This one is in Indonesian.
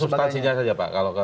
mungkin kesubstansi saja saja pak